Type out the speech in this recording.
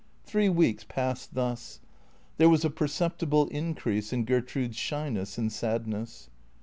Three weeks passed thus. There was a perceptible increase in Gertrude's shyness and sadness.